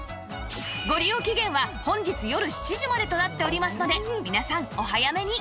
ご利用期限は本日よる７時までとなっておりますので皆さんお早めに